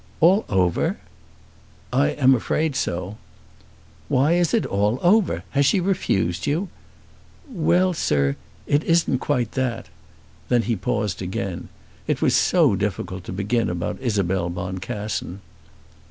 "All over!" "I am afraid so." "Why is it all over? Has she refused you?" "Well, sir; it isn't quite that." Then he paused again. It was so difficult to begin about Isabel Boncassen.